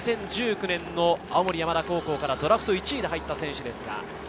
２０１９年の青森山田高校からドラフト１位で入った選手です。